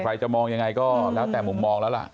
ใครจะมองยังไงก็แล้วแต่มุมมองแล้วล่ะ